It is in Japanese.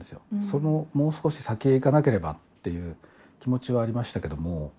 そのもう少し先へ行かなければという気持ちはありましたけども。